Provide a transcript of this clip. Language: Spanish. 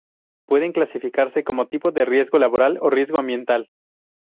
Pueden clasificarse como tipo de riesgo laboral o riesgo ambiental.